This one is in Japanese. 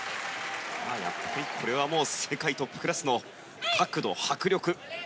これは世界トップクラスの角度、迫力。